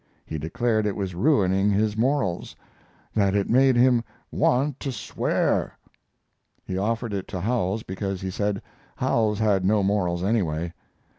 He declared it was ruining his morals that it made him "want to swear." He offered it to Howells because, he said, Howells had no morals anyway.